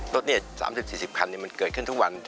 รถ๓๐๔๐คันมันเกิดขึ้นทุกวัน